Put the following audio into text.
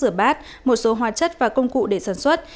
rửa bát một số hóa chất và công cụ để sản xuất